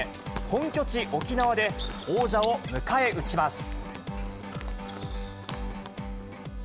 本拠地沖縄で、王者を迎え撃ちます。